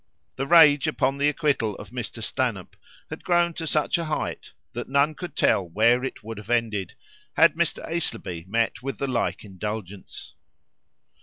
The rage upon the acquittal of Mr. Stanhope had grown to such a height that none could tell where it would have ended, had Mr. Aislabie met with the like indulgence.